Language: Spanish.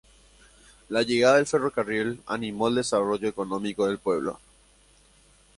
La llegada del ferrocarril animó el desarrollo económico del pueblo.